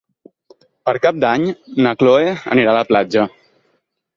Per Cap d'Any na Chloé anirà a la platja.